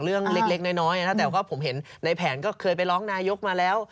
เรื่องเล็กน้อยนะแต่ว่าผมเห็นในแผนก็เคยไปร้องนายกมาแล้ว